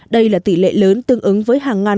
đây là tỷ lệ lớn tương ứng với hàng ngàn